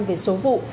về số vụ